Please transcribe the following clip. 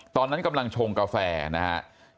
ตอนนั้นกำลังชงกาแฟนะครับ